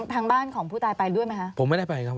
ทางบ้านของผู้ตายไปด้วยไหมคะ